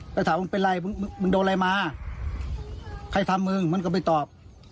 แล้วถามมึงเป็นไรมึงมึงโดนอะไรมาใครทำมึงมันก็ไปตอบ